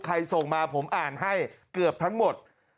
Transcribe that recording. ส่งมาผมอ่านให้เกือบทั้งหมด